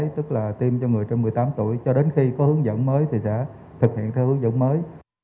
tức là tiêm cho người trên một mươi tám tuổi cho đến khi có hướng dẫn mới thì sẽ thực hiện theo hướng dẫn mới